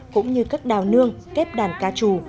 cũng như các đào nương kép đàn ca trù